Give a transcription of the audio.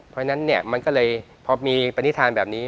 เพราะฉะนั้นเนี่ยมันก็เลยพอมีปณิธานแบบนี้